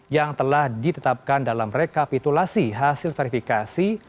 yang telah ditetapkan dalam rekapitulasi hasil verifikasi